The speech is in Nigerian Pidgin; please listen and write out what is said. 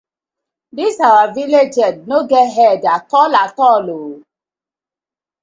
Dis our villag head no get head atoll atoll oo.